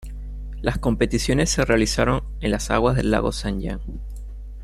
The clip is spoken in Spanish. Las competiciones se realizaron en las aguas del lago Saint-Jean.